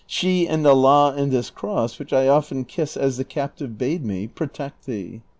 She and Allah and this cross, which I often kiss as the captive bade me, protect thee."